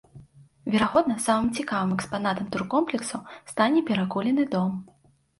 Верагодна, самым цікавым экспанатам туркомплексу стане перакулены дом.